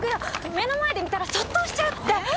目の前で見たら卒倒しちゃうって。